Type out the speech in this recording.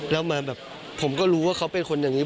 แล้วมาแบบผมก็รู้ว่าเขาเป็นคนอย่างนี้